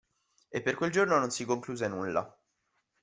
E per quel giorno non si concluse nulla.